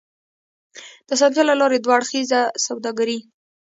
د اسانتيا له لارې دوه اړخیزه سوداګري